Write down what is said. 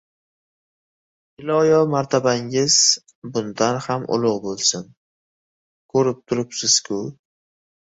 — Iloyo martabangiz bundan ham ulug‘ bo‘lsin. Ko‘rib turibsiz-ku..